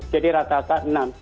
jadi rata rata enam